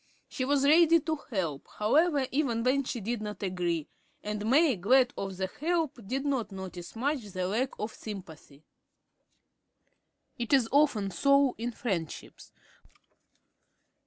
She was ready to help, however, even when she did not agree; and May, glad of the help, did not notice much the lack of sympathy. It is often so in friendships.